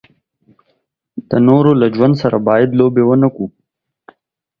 د نورو له ژوند سره باید لوبې و نه کړو.